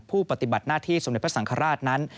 ผู้ปฏิบัติหน้าที่ศมเด็จดรศัตริรษสังฆราชนั้น